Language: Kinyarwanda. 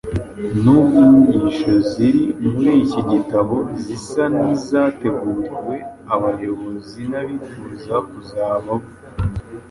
Nubwo inyigisho ziri muri iki gitabo zisa nizateguriwe abayobozi n’abifuza kuzaba bo